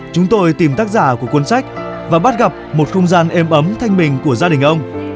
chúng tôi tìm tác giả của cuốn sách và bắt gặp một không gian êm ấm thanh bình của gia đình ông